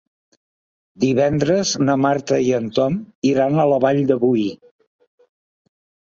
Divendres na Marta i en Tom iran a la Vall de Boí.